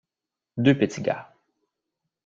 Deux petits gars.